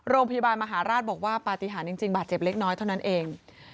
โรงพยาบาลมหาราชบอกว่าปฏิหารจริงบาดเจ็บเล็กน้อยเท่านั้นเอง